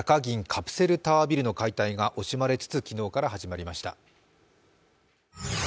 カプセルタワービルの解体が惜しまれつつ昨日から始まりました。